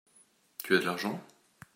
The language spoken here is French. Tu as de l'argent ?